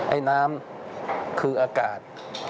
ไอ้น้ำคืออากาศ